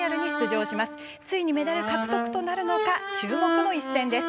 ついにメダル獲得となるのか注目の一戦です。